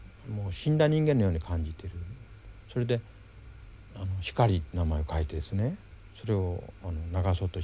それで光と名前を書いてですねそれを流そうとした。